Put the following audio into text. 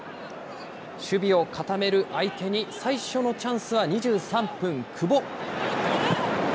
守備を固める相手に、最初のチャンスは２３分、久保。